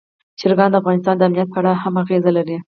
چرګان د افغانستان د امنیت په اړه هم اغېز لري.